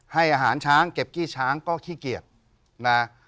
ให้อาหารช้างเก็บขี้ช้างก็ขี้เกียจนะ